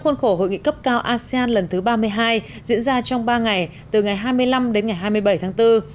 khuôn khổ hội nghị cấp cao asean lần thứ ba mươi hai diễn ra trong ba ngày từ ngày hai mươi năm đến ngày hai mươi bảy tháng bốn